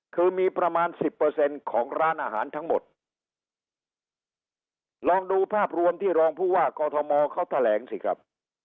คือมีประมาณสิบเปอร์เซ็นต์ของร้านอาหารทั้งหมดลองดูภาพรวมที่รองผู้ว่ากอทมเขาแถลงสิครับ